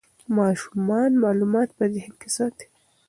ماشومان معلومات په ذهن کې ساتي.